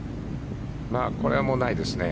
これはもうないですね